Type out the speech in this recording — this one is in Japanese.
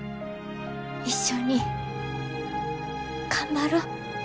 一緒に頑張ろ。